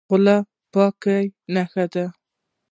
خولۍ د پاکۍ نښه ده.